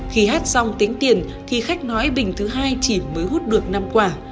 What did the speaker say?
khi hát xong tiếng tiền thì khách nói bình thứ hai chỉ mới hút được năm qua